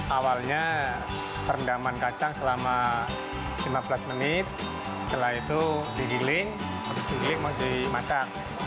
awalnya perendaman kacang selama lima belas menit setelah itu dihiling lalu dihiling mau dimasak